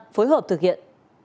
phối hợp thực hiện